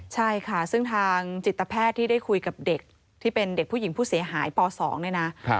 ใช่ค่ะซึ่งทางจิตแพทย์ที่ได้คุยกับเด็กที่เป็นเด็กผู้หญิงผู้เสียหายป๒เนี่ยนะ